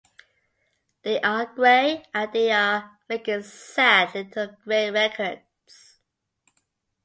They are grey and they are making sad little grey records.